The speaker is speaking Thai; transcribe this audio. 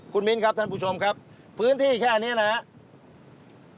คุณมิ้นครับท่านผู้ชมครับพื้นที่แค่นี้นะครับ